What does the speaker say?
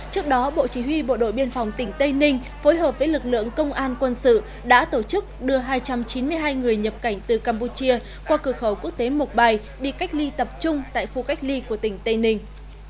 trước đó bộ chỉ huy bộ đội biên phòng tỉnh tây ninh phối hợp với lực lượng công an quân sự đã tổ chức đưa hai trăm chín mươi hai người nhập cảnh từ campuchia qua cửa khẩu quốc tế mộc bài đi cách ly tập trung tại khu cách ly của tỉnh tây ninh